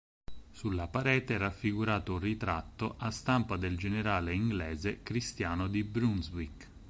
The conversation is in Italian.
Sulla parete è raffigurato un ritratto a stampa del generale inglese Cristiano di Brunswick.